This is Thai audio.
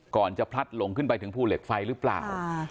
จะพลัดหลงขึ้นไปถึงภูเหล็กไฟหรือเปล่า